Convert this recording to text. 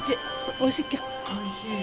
おいしい。